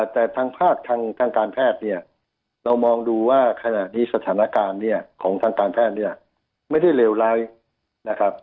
แต่ทางภาคทางการแพทย์เนี่ยเรามองดูว่าขณะนี้สถานการณ์เนี่ยของทางการแพทย์เนี่ยไม่ได้เลวร้ายนะครับ